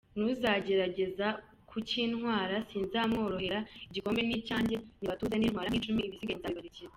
N’uzagerageza kukintwara sinzamworohera, igikombe ni icyanjye, nibatuze nintwara nk’icumi ibisigaye nzabibarekera”.